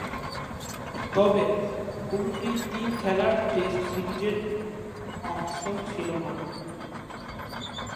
তবে, কোনটিই তিন খেলার টেস্ট সিরিজের অংশ ছিল না।